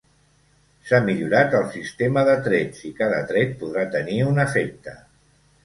S'ha millorat el sistema de trets, i cada tret podrà tenir un efecte.